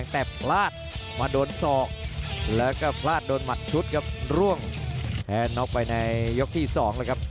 แต่พลาดมาโดนศอกแล้วก็พลาดโดนหมัดชุดครับร่วงแพ้น็อกไปในยกที่๒เลยครับ